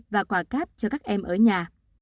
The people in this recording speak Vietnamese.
và quà cáp cho các em ở nhà